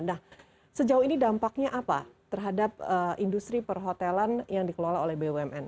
nah sejauh ini dampaknya apa terhadap industri perhotelan yang dikelola oleh bumn